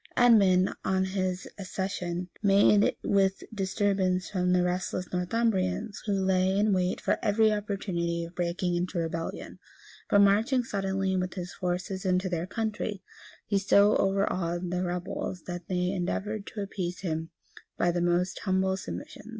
{941.} Edmund, on his accession, met with disturbance from the restless Northumbrians, who lay in wait for every opportunity of breaking into rebellion. But marching suddenly with his forces into their country, he so overawed the rebels that they endeavored to appease him by the most humble submissions.